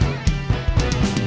ya ini lagi serius